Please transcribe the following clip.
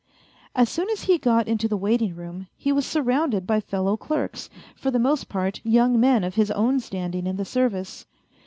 As soon as he got into the waiting room he was surrounded by fellow clerks, for the most part young men of his own standing in the service.